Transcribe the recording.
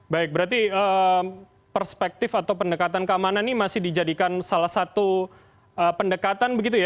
baik berarti perspektif atau pendekatan keamanan ini masih dijadikan salah satu pendekatan begitu ya